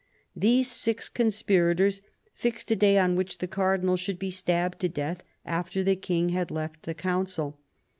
These six conspirators fixed a day on which the Cardinal should be stabbed to death after the King had left the council.